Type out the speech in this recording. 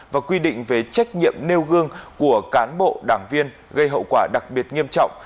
và quy định về trách nhiệm nêu gương của cán bộ đảng viên gây hậu quả đặc biệt nghiêm trọng